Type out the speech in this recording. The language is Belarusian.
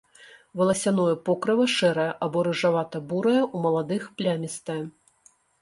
Валасяное покрыва шэрае або рыжавата-бурае, у маладых плямістае.